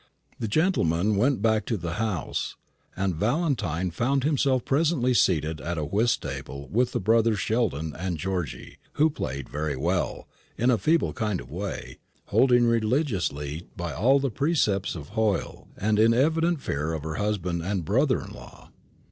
The gentlemen went back to the house, and Valentine found himself presently seated at a whist table with the brothers Sheldon, and Georgy, who played very well, in a feeble kind of way, holding religiously by all the precepts of Hoyle, and in evident fear of her husband and brother in law.